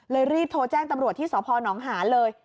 รีบโทรแจ้งตำรวจที่สพนหาเลย